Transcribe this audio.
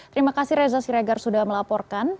terima kasih reza siregar sudah melaporkan